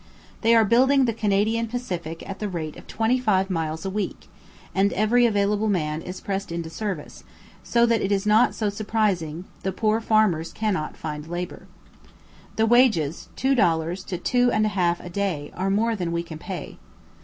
They are building the Canadian Pacific at the rate of twenty five miles a week, and every available man is pressed into the service, so that it is not so surprising the poor farmers cannot find labour. The wages, two dollars to two and a half a day, are more than we can pay.